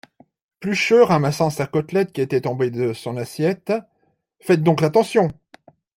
Plucheux , ramassant sa côtelette qui est tombée de son assiette. — Faites donc attention !